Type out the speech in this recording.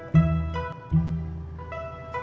gak ada apa apa